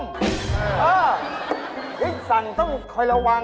ฟิกที่สั่งต้องค่อยระวัง